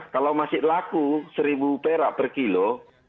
kalau masih laku rp satu per kilo